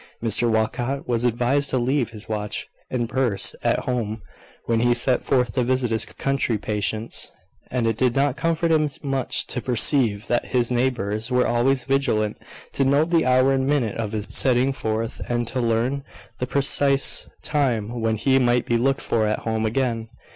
Mr Walcot was advised to leave his watch and purse at home when he set forth to visit his country patients; and it did not comfort him much to perceive that his neighbours were always vigilant to note the hour and minute of his setting forth, and to learn the precise time when he might be looked for at home again.